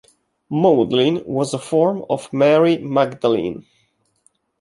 "Maudlin" was a form of Mary Magdalene.